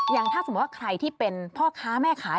อย่างถ้าสมมุติว่าใครที่เป็นพ่อค้าแม่ขาย